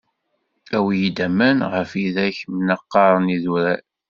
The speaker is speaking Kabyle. Awi-yi-d aman ɣef ideg mnaqaṛen idurar!